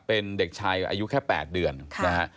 เป็นเด็กชายอายุแค่๘เดือนนะฮะ